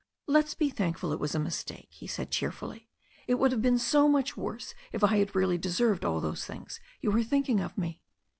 "Let's be thankful it was a mistake," he said cheerfully. "It would have been so much worse if I had really deserved all those things you were thinking of me."